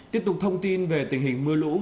tiếp tục thông tin về tình hình mưa lũ